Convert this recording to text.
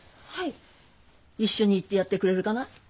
一緒に行ってやってくれるかな？